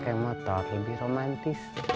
kayak motor lebih romantis